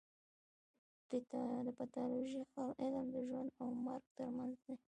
د پیتالوژي علم د ژوند او مرګ ترمنځ دی.